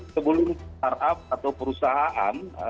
sebelum startup atau perusahaan